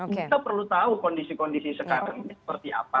kita perlu tahu kondisi kondisi sekarang ini seperti apa